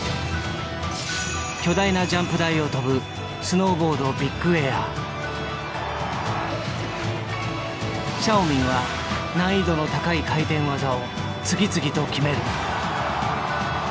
巨大なジャンプ台を飛ぶシャオミンは難易度の高い回転技を次々と決める。